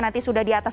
nanti sudah di atas